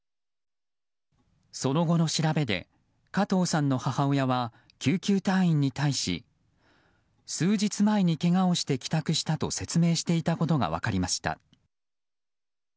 その後の調べて加藤さんの母親は救急隊員に対し数日前にけがをして帰宅したと説明していたことが分かりました。